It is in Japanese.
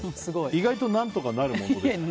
意外と何とかなるものでした。